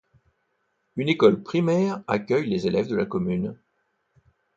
Une école primaire accueille les élèves de la commune.